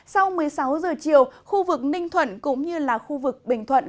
sau một mươi sáu giờ chiều khu vực ninh thuận cũng như là khu vực bình thuận